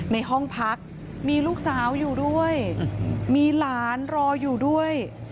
ในห้องพักมีลูกสาวอยู่ด้วยมีหลานรออยู่ด้วย